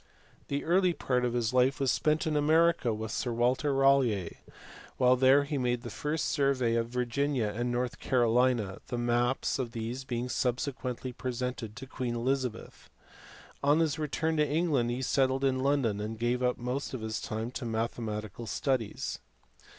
The early part of his life was spent in America with Sir Walter Raleigh : while there he made the first survey of Virginia and North Carolina, the maps of these being subsequently presented to Queen Elizabeth. On his return to England he settled in London, and gave up most of his time to mathematical studies.